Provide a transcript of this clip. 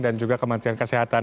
dan juga kementerian kesehatan